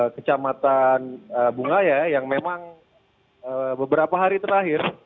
kecamatan bungaya yang memang beberapa hari terakhir